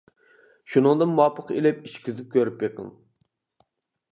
شۇنىڭدىن مۇۋاپىق ئېلىپ ئىچكۈزۈپ كۆرۈپ بېقىڭ.